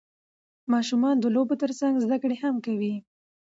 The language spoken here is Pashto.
ماشومان د لوبو ترڅنګ زده کړه هم کوي